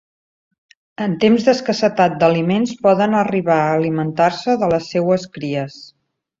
En temps d'escassetat d'aliments, poden arribar a alimentar-se de les seues cries.